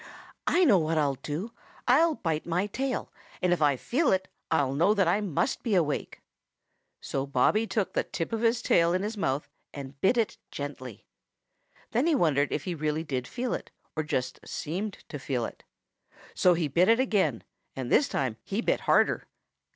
I know what I'll do; I'll bite my tail, and if I feel it I'll know that I must be awake." So Bobby took the tip of his tail in his mouth and bit it gently. Then he wondered if he really did feel it or just seemed to feel it. So he bit it again, and this time he bit harder.